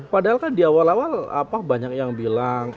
padahal kan di awal awal banyak yang bilang